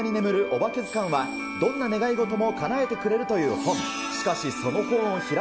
おばけずかんは、どんな願い事もかなえてくれるという本。